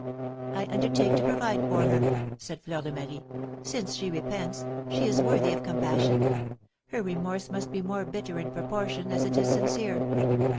"I undertake to provide for her," said Fleur de Marie; "since she repents, she is worthy of compassion; her remorse must be more bitter in proportion as it is sincere."